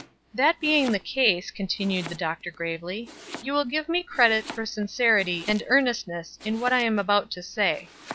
"That being the case," continued the Doctor, gravely, "you will give me credit for sincerity and earnestness in what I am about to say.